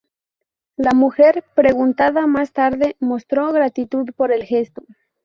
La mujer, preguntada más tarde, mostró gratitud por el gesto.